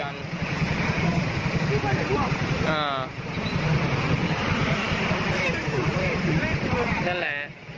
นั่นแหละ